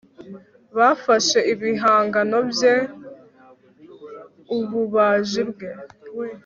bafashe ibihangano bye ubumaji bwe